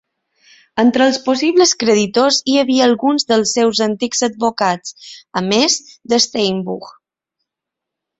Entre els possibles creditors hi havia alguns dels seus antics advocats, a més de Steinbuch.